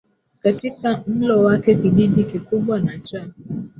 katika mlo wake Kijiji kikubwa na cha